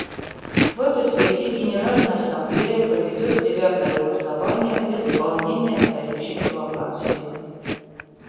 В этой связи Генеральная Ассамблея проведет девятое голосование для заполнения остающейся вакансии.